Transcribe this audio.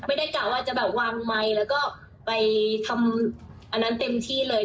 ไม่ได้กล่าวว่าจะแบบวางใหม่แล้วก็ไปทำอันนั้นเต็มที่เลย